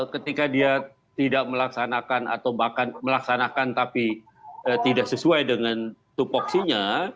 ketika dia tidak melaksanakan atau bahkan melaksanakan tapi tidak sesuai dengan tupoksinya